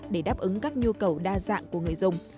để đáp ứng các nhu cầu đa dạng của người dùng